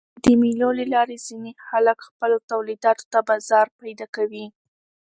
د مېلو له لاري ځيني خلک خپلو تولیداتو ته بازار پیدا کوي.